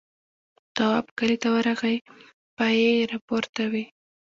تواب کلي ته ورغی پایې راپورته وې.